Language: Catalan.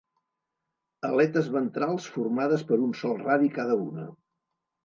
Aletes ventrals formades per un sol radi cada una.